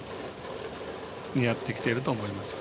似合ってきてると思いますよ。